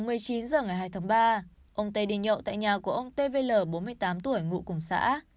bước đầu xác định khoảng một mươi chín giờ ngày hai tháng ba ông t đi nhậu tại nhà của ông t vl bốn mươi tám tuổi ngụ cùng xã